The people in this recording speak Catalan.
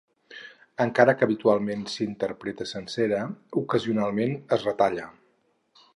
Encara que habitualment s'interpreta sencera, ocasionalment es retalla.